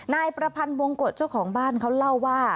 นายประพันธ์วงกฎเจ้าของบ้านเขาเล่าว่า